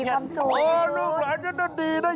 มีความสุขโอ้โฮลูกหลานเธอนั่นดีนะ